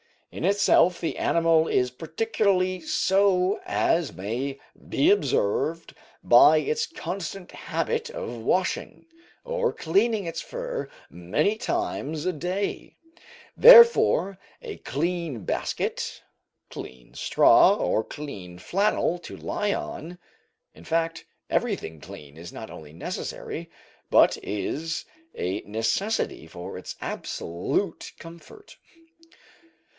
In itself the animal is particularly so, as may be observed by its constant habit of washing, or cleaning its fur many times a day; therefore, a clean basket, clean straw, or clean flannel, to lie on in fact, everything clean is not only necessary, but is a necessity for its absolute comfort.